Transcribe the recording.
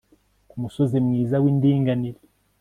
ku musozi mwiza w'ndinganire